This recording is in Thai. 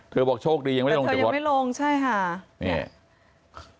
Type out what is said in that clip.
เธอบอกโชคดียังไม่ได้ลงแต่รถแต่เธอยังไม่ลงใช่ค่ะนี่